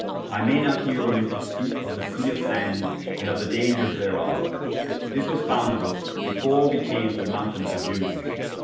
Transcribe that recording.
I may not here omit to speake of the sea of sande, and of the daungers thereof. This was founde of vs before we came to the mountayne of the Jewes.